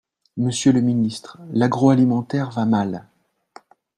Monsieur le ministre, l’agroalimentaire va mal.